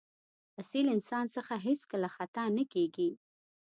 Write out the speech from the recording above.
اصیل انسان څخه هېڅکله خطا نه کېږي.